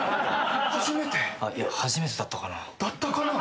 いや初めてだったかな。